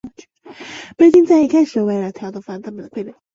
白金在一开始为了逗法兰西奴傀儡发笑而制作的四个自动傀儡。